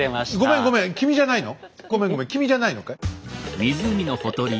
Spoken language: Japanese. ん？ごめんごめん君じゃないのかい？